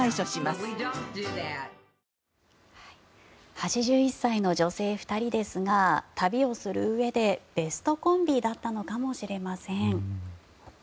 ８１歳の女性２人ですが旅をするうえでベストコンビだったのかもしれません。